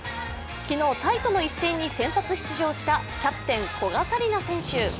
昨日、タイとの一戦に先発出場したキャプテン・古賀紗理那選手。